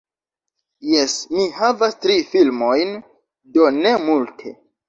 Jes, mi havas tri filmojn, do ne multe